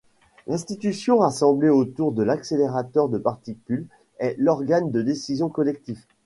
L'institution, rassemblée autour de l'accélérateur de particules, est l'organe de décision collectif.